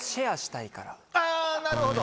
あぁなるほど。